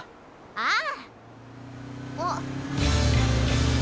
ああ。